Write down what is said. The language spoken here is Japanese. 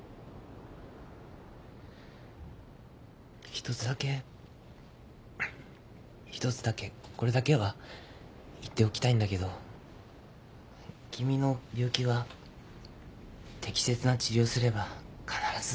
一つだけ一つだけこれだけは言っておきたいんだけど君の病気は適切な治療すれば必ず治ります。